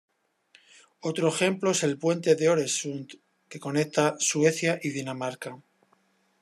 Otro ejemplo es el puente de Øresund, que conecta Suecia y Dinamarca.